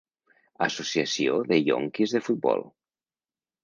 Associació de ionquis de futbol.